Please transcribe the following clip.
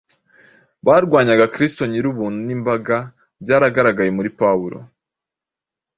barwanyaga Kristo nyir’ubuntu n’imbaraga byagaragariye muri Pawulo